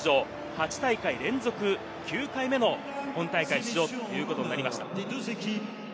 ８大会連続９回目の本大会出場となりました。